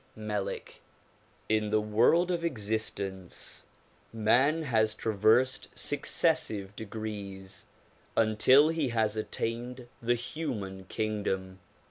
Melick IN the world of existence man has traversed successive degrees until he has attained the human kingdom.